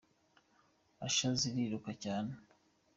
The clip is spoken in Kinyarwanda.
Isha ziriruka cyane.